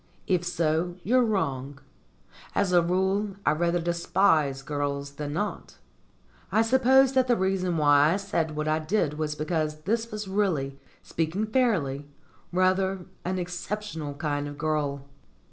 If so, you're wrong. As a rule, I rather despise girls than not. I suppose that the reason why I said what I did was because this was really, speaking fairly, rather an exceptional kind of girl.